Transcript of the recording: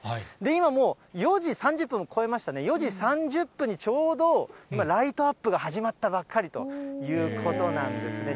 今、もう４時３０分を超えましてね、４時３０分にちょうど、今、ライトアップが始まったばっかりということなんですね。